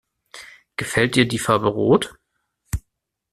Gefällt dir die Farbe rot?